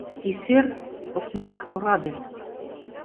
Исер — окмак, ораде.